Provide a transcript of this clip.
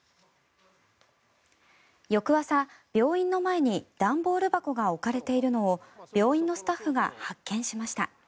翌朝、病院の前に段ボール箱が置かれているのを病院のスタッフが発見しました。